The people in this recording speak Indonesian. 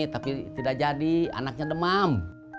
tapi tidak jadi anaknya demam